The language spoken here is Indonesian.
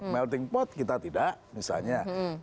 melting pot kita tidak misalnya